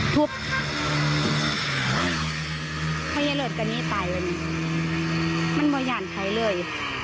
ทุบภัยเลือดกันนี้ตายแล้วนี่มันมอย่างใครเลย